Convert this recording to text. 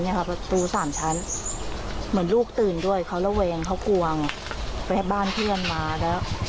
กระปับประตูสามชั้นเหมือนลูกตื่นด้วยเค้าระเวงเค้ากวงแบบบ้านเที่ยนมาด้วย